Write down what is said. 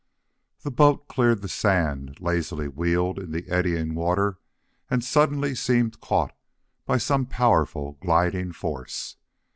The boat cleared the sand, lazily wheeled in the eddying water, and suddenly seemed caught by some powerful gliding force.